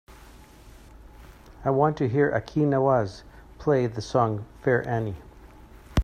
I want to hear Aki Nawaz, play the song fair annie.